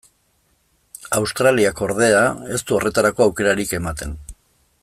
Australiak, ordea, ez du horretarako aukerarik ematen.